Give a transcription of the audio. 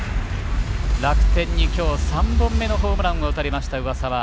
楽天に今日、３本目のホームランを打たれました上沢。